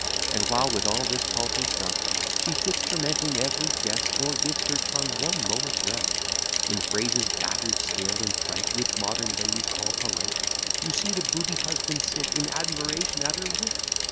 And while with all this paltry stuff She sits tormenting every guest, Nor gives her tongue one moment's rest, In phrases batter'd, stale, and trite, Which modern ladies call polite; You see the booby husband sit In admiration at her wit!